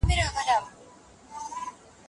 ولي هڅاند سړی د تکړه سړي په پرتله خنډونه ماتوي؟